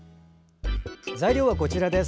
材料はこちらです。